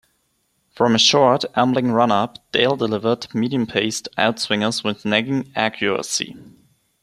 From a short, ambling run-up, Dale delivered medium-paced outswingers with nagging accuracy.